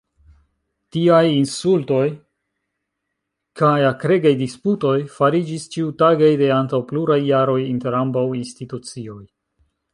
Tiaj insultoj kaj akregaj disputoj fariĝis ĉiutagaj de antaŭ pluraj jaroj inter ambaŭ institucioj.